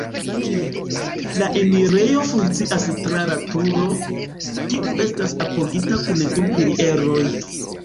La enirejo funkcias tra la turo, kiu estas apogita kun du pilieroj.